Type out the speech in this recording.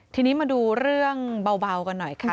ทีนี้มาดูเรื่องเบากันหน่อยค่ะ